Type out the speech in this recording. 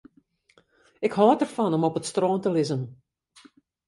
Ik hâld derfan om op it strân te lizzen.